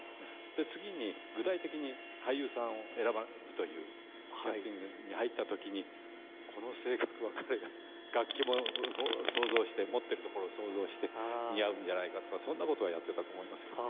で次に具体的に俳優さんを選ぶというキャスティングに入った時にこの性格は彼が楽器も想像して持ってるところを想像して似合うんじゃないかとかそんな事はやってたと思いますけど。